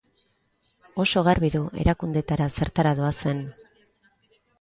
Oso garbi du erakundeetara zertara doazen.